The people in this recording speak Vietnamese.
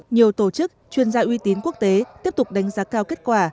nhiều tổ chức chuyên gia uy tín quốc tế tiếp tục đánh giá cao kết quả